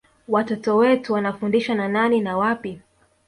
Watoto wetu wanafundishwa na nani na wapi